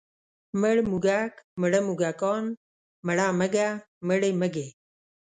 مړ موږک، مړه موږکان، مړه مږه، مړې مږې.